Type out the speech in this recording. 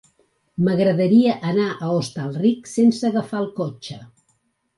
M'agradaria anar a Hostalric sense agafar el cotxe.